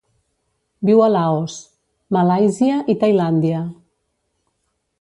Viu a Laos, Malàisia i Tailàndia.